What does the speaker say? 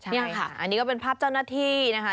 นี่ค่ะอันนี้ก็เป็นภาพเจ้าหน้าที่นะคะ